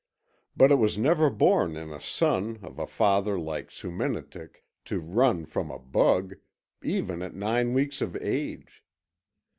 But it was never born in a son of a father like Soominitik to run from a bug, even at nine weeks of age.